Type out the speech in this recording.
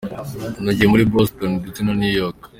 Nagiye muri Boston ndetse na New York.